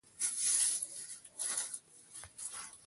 ګورنر جنرال تیمورشاه ته ولیکل.